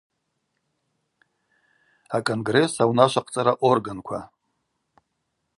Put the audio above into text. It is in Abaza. А-Конгресс аунашвахъцӏара органква.